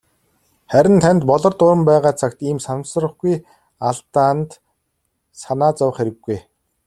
Харин танд "Болор дуран" байгаа цагт ийм санамсаргүй алдаанд санаа зовох хэрэггүй.